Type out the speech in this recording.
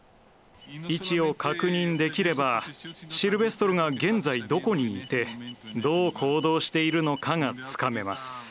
位置を確認できればシルベストルが現在どこにいてどう行動しているのかがつかめます。